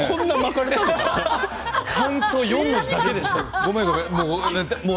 感想４文字だけでした。